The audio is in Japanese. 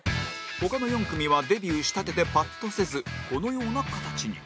他の４組はデビューしたてでパッとせずこのような形に